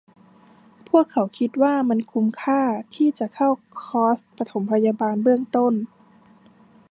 พวกเขาคิดว่ามันคุ้มค่าที่จะเข้าคอร์สปฐมพยาบาลเบื้องต้น